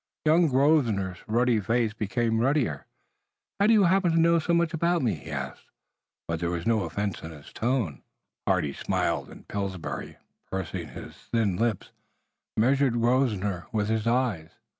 Young Grosvenor's ruddy face became ruddier. "How do you happen to know so much about me?" he asked. But there was no offense in his tone. Hardy smiled, and Pillsbury, pursing his thin lips, measured Grosvenor with his eyes.